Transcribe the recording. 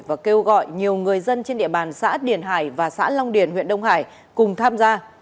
và kêu gọi nhiều người dân trên địa bàn xã điền hải và xã long điền huyện đông hải cùng tham gia